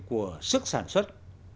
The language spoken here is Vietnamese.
của sức sản xuất